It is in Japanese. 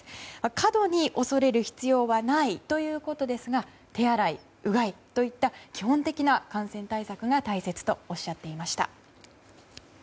過度に恐れる必要はないということですが手洗い・うがいといった基本的な感染対策が大切とおっしゃっていました。